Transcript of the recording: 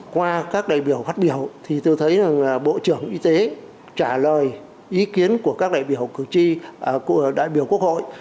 qua các đại biểu phát biểu thì tôi thấy bộ trưởng y tế trả lời ý kiến của các đại biểu cử tri của đại biểu quốc hội